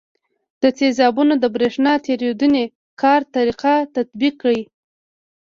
د تیزابونو د برېښنا تیریدنې کار طریقه تطبیق کړئ.